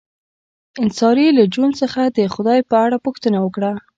انصاري له جون څخه د خدای په اړه پوښتنه وکړه